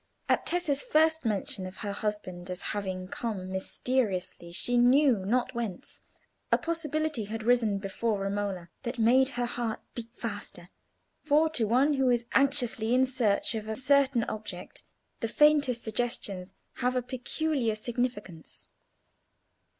At Tessa's first mention of her husband as having come mysteriously she knew not whence, a possibility had risen before Romola that made her heart beat faster; for to one who is anxiously in search of a certain object the faintest suggestions have a peculiar significance.